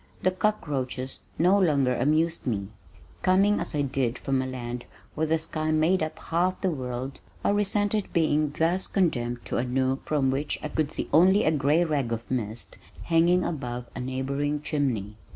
The cockroaches no longer amused me. Coming as I did from a land where the sky made up half the world I resented being thus condemned to a nook from which I could see only a gray rag of mist hanging above a neighboring chimney.